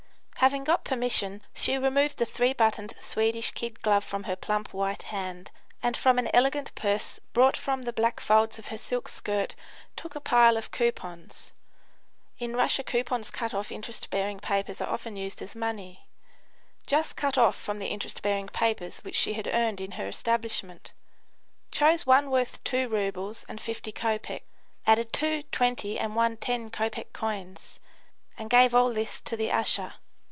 Having got permission, she removed the three buttoned Swedish kid glove from her plump, white hand, and from an elegant purse brought from the back folds of her silk skirt took a pile of coupons, [in Russia coupons cut off interest bearing papers are often used as money] just cut off from the interest bearing papers which she had earned in her establishment, chose one worth 2 roubles and 50 copecks, added two 20 and one 10 copeck coins, and gave all this to the usher.